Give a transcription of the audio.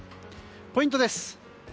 ポイントです。